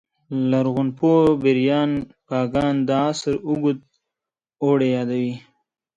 لرغونپوه بریان فاګان دا عصر اوږد اوړی یادوي